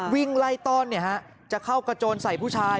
วิ่งไล่ต้อนจะเข้ากระโจนใส่ผู้ชาย